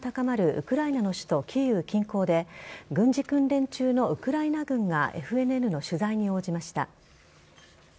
ウクライナの首都・キーウ近郊で軍事訓練中のウクライナ軍がＦＮＮの取材に応じました。